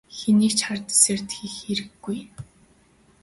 Хэнийг ч хардаж сэрдэхийн хэрэггүй.